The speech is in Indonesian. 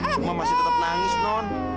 cuma masih tetap nangis non